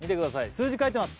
数字書いてます